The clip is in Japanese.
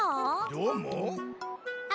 どーも？